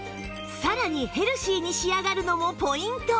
さらにヘルシーに仕上がるのもポイント